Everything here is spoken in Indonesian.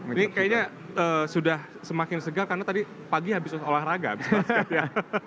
ini kayaknya sudah semakin segal karena tadi pagi habis olahraga habis basket ya